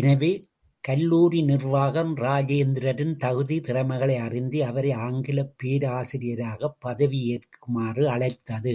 எனவே, கல்லூரி நிர்வாகம் இராஜேந்திரரின் தகுதி திறமைகளை அறிந்து அவரை ஆங்கிலப் பேராசிரியராகப் பதவி ஏற்குமாறு அழைத்தது.